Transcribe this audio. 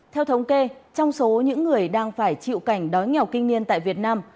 theo thống kê trong số những người đang phải chịu cảnh đói nghèo kinh niên tại việt nam